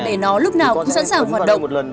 để nó lúc nào cũng sẵn sàng hoạt động